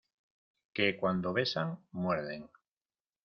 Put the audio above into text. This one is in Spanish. que cuando besan muerden.